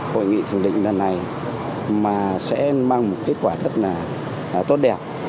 hội nghị thường định lần này mà sẽ mang một kết quả rất là tốt đẹp